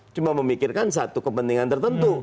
cuma memikirkan satu kepentingan tertentu